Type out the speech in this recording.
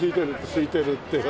すいてるってよ。